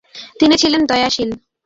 তিনি ছিলেন দয়াশীল।